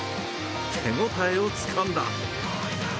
手応えをつかんだ。